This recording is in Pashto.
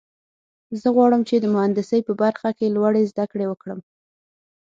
زه غواړم چې د مهندسۍ په برخه کې لوړې زده کړې وکړم